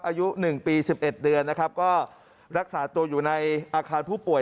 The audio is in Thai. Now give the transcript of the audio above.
อายุ๑ปี๑๑เดือนนะครับก็รักษาตัวอยู่ในอาคารผู้ป่วย